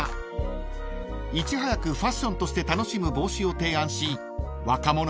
［いち早くファッションとして楽しむ帽子を提案し若者に大人気のお店です］